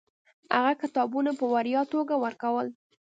هغه کتابونه په وړیا توګه ورکول.